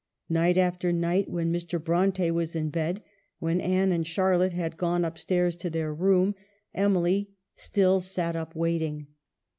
Night after night, when Mr. Bronte was in bed, when Anne and Charlotte had gone up stairs to their room, 1 68 EMILY BRONTE. Emily still sat up, waiting.